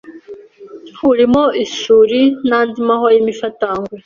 urimo isuri n’andi mahwa y’imifatangwe